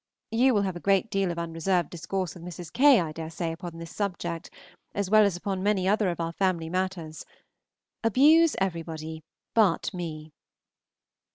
You will have a great deal of unreserved discourse with Mrs. K., I dare say, upon this subject, as well as upon many other of our family matters. Abuse everybody but me.